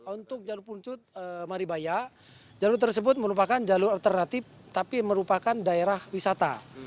untuk jalur puncut maribaya jalur tersebut merupakan jalur alternatif tapi merupakan daerah wisata